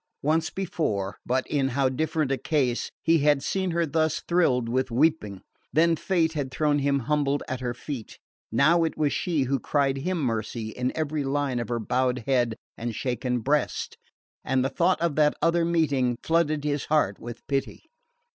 Once before but in how different a case! he had seen her thus thrilled with weeping. Then fate had thrown him humbled at her feet, now it was she who cried him mercy in every line of her bowed head and shaken breast; and the thought of that other meeting flooded his heart with pity.